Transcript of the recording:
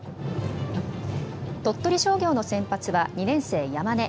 鳥取商業の先発は２年生・山根。